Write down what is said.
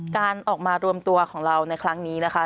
การออกมารวมตัวของเราในครั้งนี้นะคะ